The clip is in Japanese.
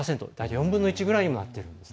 ４分の１くらいになっているんです。